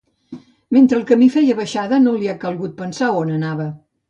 Mentre el camí feia baixada no li ha calgut pensar on anava.